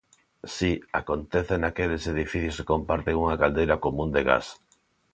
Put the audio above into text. Si, acontece naqueles edificios que comparten unha caldeira común de gas.